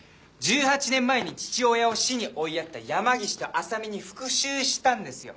１８年前に父親を死に追いやった山岸と浅見に復讐したんですよ！